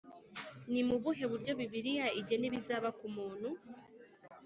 ni mu buhe buryo bibiliya igena ibizaba ku muntu?